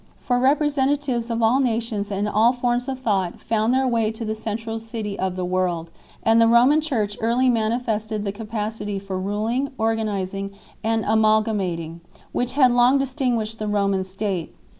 For representatives of all nations and all forms of thought found their way to the central city of the world, and the Roman Church early manifested the capacity for ruling, organizing, and amal gamating, which had long distinguished the Roman state.